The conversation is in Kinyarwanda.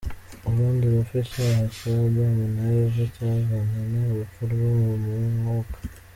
Urundi rupfu icyaha cya Adamu na Eva cyazanye, ni urupfu rwo mu Mwuka.